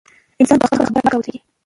انسان باید په خپله خبره کلک ودریږي.